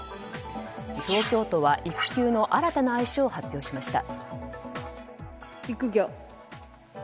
東京都は育休の新たな愛称を発表しました。